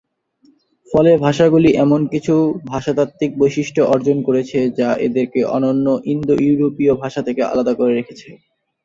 ফলে ভাষাগুলি এমন কিছু ভাষাতাত্ত্বিক বৈশিষ্ট্য অর্জন করেছে, যা এদেরকে অন্যান্য ইন্দো-ইউরোপীয় ভাষা থেকে আলাদা করে রেখেছে।